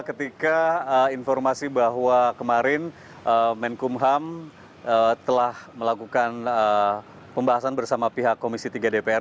ketika informasi bahwa kemarin menkumham telah melakukan pembahasan bersama pihak komisi tiga dpr